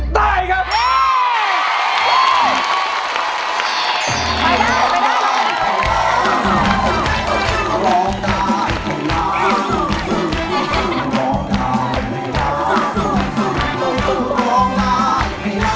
ไม่ได้ไม่ได้เลย